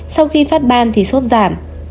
sau khi phát ban thì sốt giảm